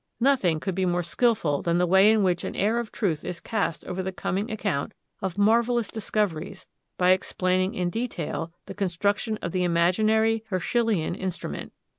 Nothing could be more skilful than the way in which an air of truth is cast over the coming account of marvellous discoveries by explaining in detail the construction of the imaginary Herschelian instrument.